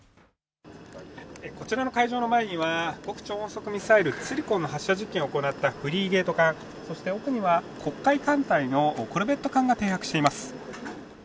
こちらの会場の前には極超音速巡航ミサイルツィルコンの発射実験を行ったフリゲート艦、そして奥には黒海艦隊のコルベット艦が停泊しています。